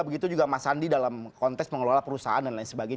begitu juga mas andi dalam konteks mengelola perusahaan dan lain sebagainya